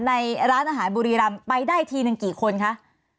ในร้านอาหารบุรีรำไปได้ทีหนึ่งกี่คนคะ